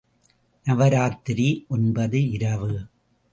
நவராத்திரி ஒன்பது இரவு.